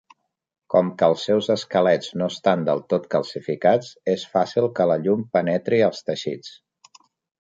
Com que els seus esquelets no estan del tot calcificats, és fàcil que la llum penetri als teixits.